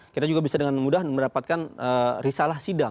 kita juga bisa dengan mudah mendapatkan risalah sidang